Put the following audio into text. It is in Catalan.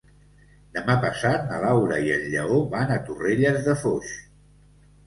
Demà passat na Laura i en Lleó van a Torrelles de Foix.